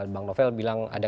bang novel bilang ada